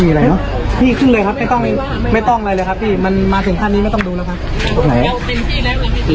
นั่นนะครับวิ่งเค้าไปเลยครับพี่